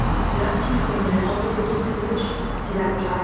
Thus you stand in an altogether different position to that which I held.